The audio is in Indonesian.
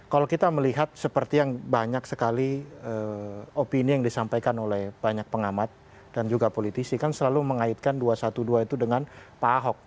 kalau kita melihat seperti yang banyak sekali opini yang disampaikan oleh banyak pengamat dan juga politisi kan selalu mengaitkan dua ratus dua belas itu dengan pak ahok